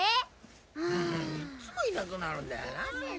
もういっつもいなくなるんだよなアイツ。